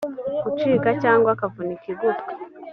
gucika cyangwa akavunika igufwa